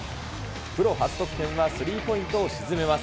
プロ初得点はスリーポイントを沈めます。